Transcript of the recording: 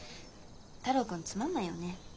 太郎君つまんないよね。